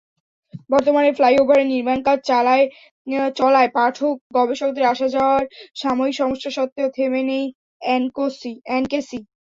বর্তমানে ফ্লাইওভারের নির্মাণকাজ চলায় পাঠক-গবেষকদের আসা-যাওয়ার সাময়িক সমস্যা সত্ত্বেও থেমে নেই এনকেসি।